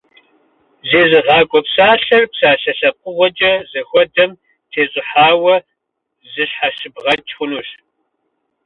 Зезыгъакӏуэ псалъэр псалъэ лъэпкъыгъуэкӏэ зыхуэдэм тещӏыхьауэ зыщхьэщыбгъэкӏ хъунущ.